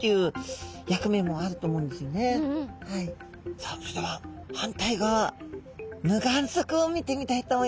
さあそれでは反対側無眼側を見てみたいと思います。